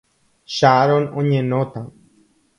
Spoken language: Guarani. Sharon oñenóta.